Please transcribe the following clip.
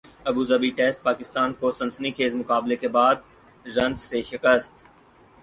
ابو Dhabi test Pakistan کو سنسنی خیزمقابلے کے بعد رنز سے شکست